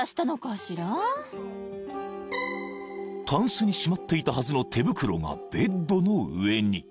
［タンスにしまっていたはずの手袋がベッドの上に］